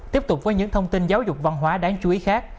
tiếp tục với những thông tin giáo dục văn hóa đáng chú ý khác